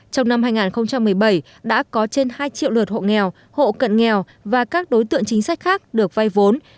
trong năm hai nghìn một mươi bảy đã có trên hai triệu lượt hộ nghèo hộ cận nghèo và các đối tượng chính sách khác được vay vốn